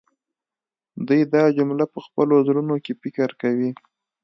دوی دا جمله په خپلو زړونو کې فکر کوي